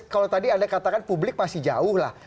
kalau tadi anda katakan publik masih jauh lah